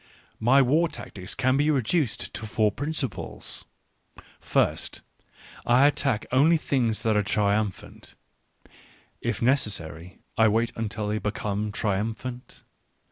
My war tactics can be reduced to four principles :\First, I attack X only things that are triumphant — lT necessary I N wait until they become triumphant.